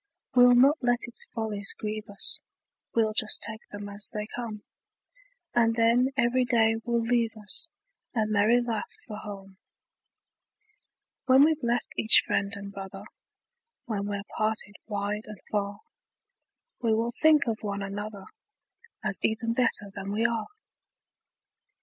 We'll not let its follies grieve us, We'll just take them as they come; And then every day will leave us A merry laugh for home. When we've left each friend and brother, When we're parted wide and far, We will think of one another, As even better than we are.